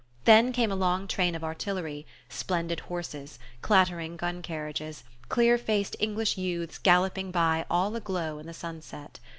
Then came a long train of artillery; splendid horses, clattering gun carriages, clear faced English youths galloping by all aglow in the sunset.